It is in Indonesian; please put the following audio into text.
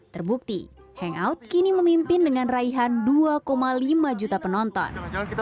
terbukti hangout kini memimpin dengan raihan dua lima juta penonton